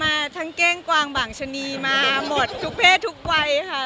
มาทั้งเก้งกวางบางชะนีมาหมดทุกเพศทุกวัยค่ะ